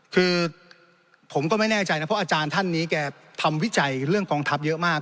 คือผมก็ไม่แน่ใจนะเพราะอาจารย์ท่านนี้แกทำวิจัยเรื่องกองทัพเยอะมาก